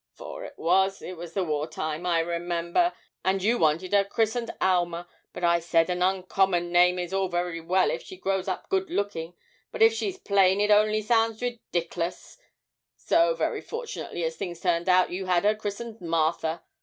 four it was; it was in the war time, I remember, and you wanted her christened Alma, but I said an uncommon name is all very well if she grows up good looking, but if she's plain it only sounds ridiklous; so, very fortunately as things turn out, you had her christened Martha.